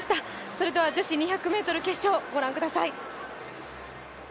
それでは女子２００ｍ決勝、ご覧ください。